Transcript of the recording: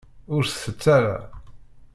Ur t-tett ara.